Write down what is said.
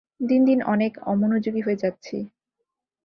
দিন দিন অনেক অমনোযোগি হয়ে যাচ্ছি।